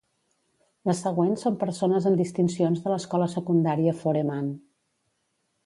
Les següents són persones amb distincions de l'escola secundària Foreman.